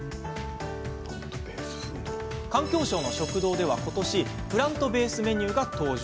環境省の食堂では、ことしプラントベースメニューが登場。